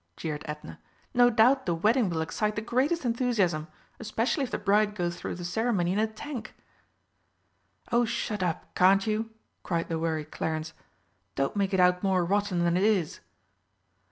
jeered Edna. "No doubt the wedding will excite the greatest enthusiasm especially if the bride goes through the ceremony in a tank!" "Oh, shut up, can't you!" cried the worried Clarence. "Don't make it out more rotten than it is!"